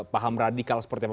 paham radikal seperti apa